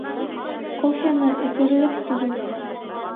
Кофены эсерлек түгел